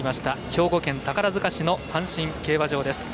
兵庫県宝塚市の阪神競馬場です。